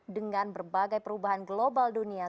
dengan berbagai perubahan global dunia